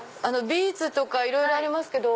ビーツとかいろいろありますけど。